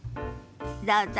どうぞ。